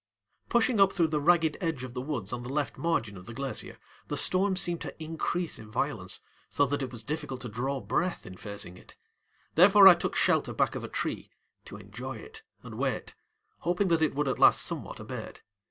Pushing up through the ragged edge of the woods on the left margin of the glacier, the storm seemed to increase in violence, so that it was difficult to draw breath in facing it; therefore I took shelter back of a tree to enjoy it and wait, hoping that it would at last somewhat abate.